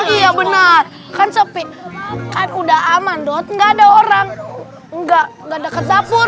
iya benar kan sepi kan udah aman dot nggak ada orang nggak dekat dapur